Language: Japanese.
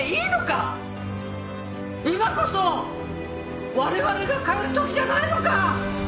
「今こそ我々が変える時じゃないのか！？」